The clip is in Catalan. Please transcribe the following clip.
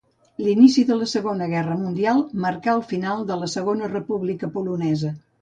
L'inici de la Segona Guerra Mundial marcà el final de la Segona República Polonesa.